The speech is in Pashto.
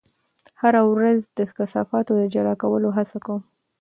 زه هره ورځ د کثافاتو د جلا کولو هڅه کوم.